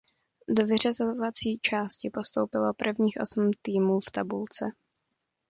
Do vyřazovací částí postoupilo prvních osm týmů v tabulce.